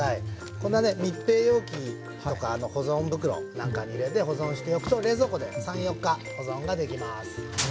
こんなね密閉容器とか保存袋なんかに入れて保存しておくと冷蔵庫で３４日保存ができます。